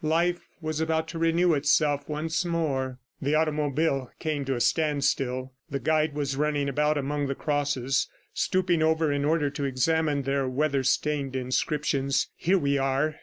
Life was about to renew itself once more. The automobile came to a standstill. The guide was running about among the crosses, stooping over in order to examine their weather stained inscriptions. "Here we are!"